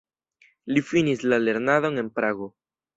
Li finis la lernadon en Prago.